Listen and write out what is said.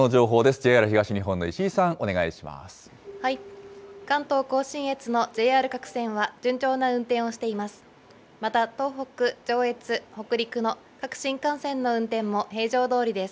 ＪＲ東日本の石井さん、お願いし関東甲信越のＪＲ各線は順調な運転をしています。